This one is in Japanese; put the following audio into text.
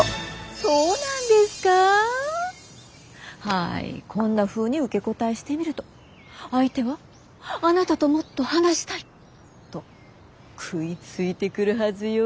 はいこんなふうに受け答えしてみると相手はあなたともっと話したいと食いついてくるはずよ。